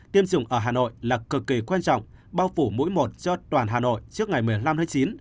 tiêm chủng ở hà nội là cực kỳ quan trọng bao phủ mũi một cho toàn hà nội trước ngày một mươi năm tháng chín